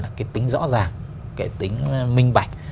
cái tính rõ ràng cái tính minh bạch